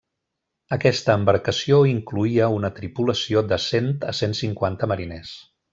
Aquesta embarcació incloïa una tripulació de cent a cent cinquanta mariners.